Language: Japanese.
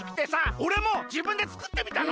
おれもじぶんでつくってみたの！